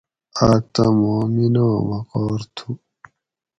آک تہ ماں میناں وقار تھو